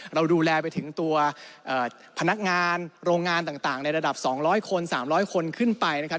เราดูแลไปถึงตัวพนักงานโรงงานต่างในระดับ๒๐๐คน๓๐๐คนขึ้นไปนะครับ